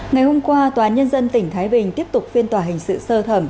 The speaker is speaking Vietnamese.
ngày hôm qua tòa nhân dân tỉnh thái bình tiếp tục phiên tòa hình sự sơ thẩm